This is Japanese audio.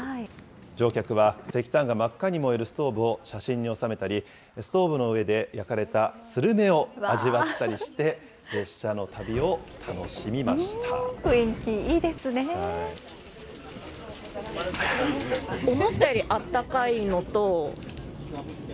乗客は石炭が真っ赤に燃えるストーブを写真におさめたり、ストーブの上で焼かれたスルメを味わったりして列車の旅を楽しみました。